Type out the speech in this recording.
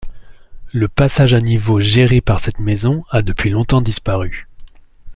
Le passage à niveau géré par cette maison a depuis longtemps disparu.